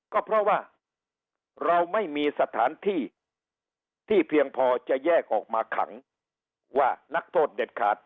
ก็เพราะว่าเราไม่มีสถานที่ที่เพียงพอจะแยกออกมาขังว่านักโทษเด็ดขาด